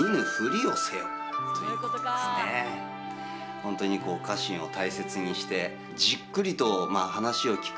本当に家臣を大切にしてじっくりと話を聞く